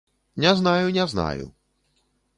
Не знаю, не знаю.